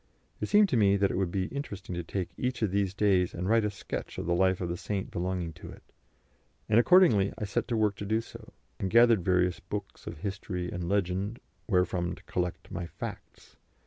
It seemed to me that it would be interesting to take each of these days and write a sketch of the life of the saint belonging to it, and accordingly I set to work to do so, and gathered various books of history and legend where from to collect my "facts."